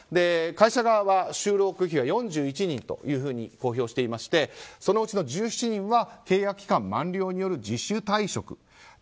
会社側は就労拒否は４１人と公表していましてそのうちの１７人は契約期間満了による自主退職。